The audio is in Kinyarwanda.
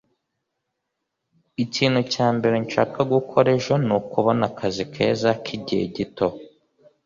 ikintu cya mbere nshaka gukora ejo ni ukubona akazi keza k'igihe gito